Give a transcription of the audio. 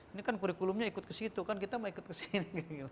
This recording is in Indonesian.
ini kan kurikulumnya ikut ke situ kan kita mau ikut ke sini